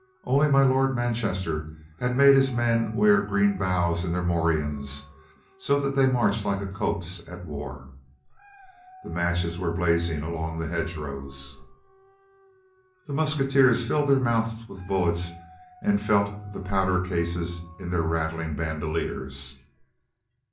Only my Lord Manchester had made his men wear green boughs in their morions, so that they marched like a copse at war. The matches were blazing along the hedge rows. The musketeers filled their mouths with bullets and felt the powder cases in their rattling bandoleers.